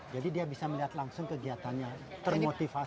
jadi dia bisa melihat langsung kegiatannya termotivasi